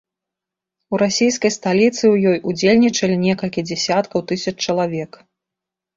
У расійскай сталіцы ў ёй удзельнічалі некалькі дзесяткаў тысяч чалавек.